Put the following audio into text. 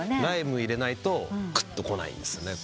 ライム入れないとくっとこないんですよ。